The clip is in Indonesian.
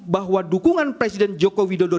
bahwa dukungan presiden joko widodo